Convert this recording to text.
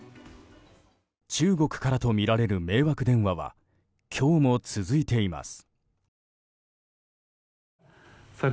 中国からとみられる迷惑電話は今日も続いています。